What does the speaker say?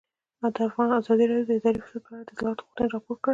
ازادي راډیو د اداري فساد په اړه د اصلاحاتو غوښتنې راپور کړې.